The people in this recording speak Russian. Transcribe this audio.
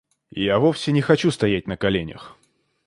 Я вовсе не хочу стоять на коленях.